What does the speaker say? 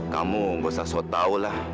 kamu gak usah so tau lah